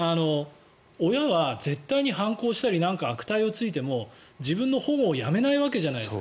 親は絶対に反抗したり悪態をついても自分の保護をやめないわけじゃないですか。